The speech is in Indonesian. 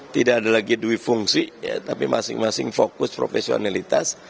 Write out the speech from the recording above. tidak ada lagi dwi fungsi tapi masing masing fokus profesionalitas